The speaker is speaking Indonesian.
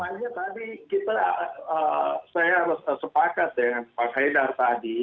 makanya tadi kita saya harus sepakat dengan pak haidar tadi